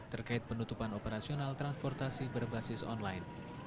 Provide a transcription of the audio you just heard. terkait penutupan operasional transportasi berbasis online